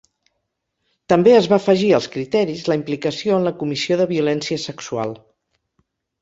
També es va afegir als criteris la implicació en la comissió de violència sexual.